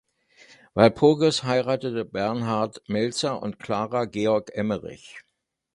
Walpurgis heiratete Bernhard Melzer und Clara Georg Emmerich.